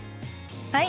はい。